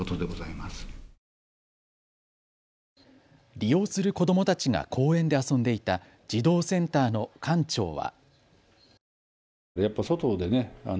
利用する子どもたちが公園で遊んでいた児童センターの館長は。